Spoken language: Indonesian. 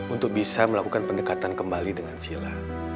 untuk bisa melakukan pendekatan kembali dengan sila